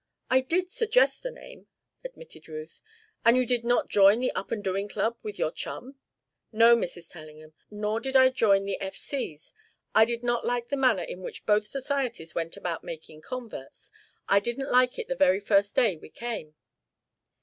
"I did suggest the name," admitted Ruth. "And you did not join the Up and Doing Club with your chum." "No, Mrs. Tellingham. Nor did I join the F. C.'s. I did not like the manner in which both societies went about making converts. I didn't like it the very first day we came."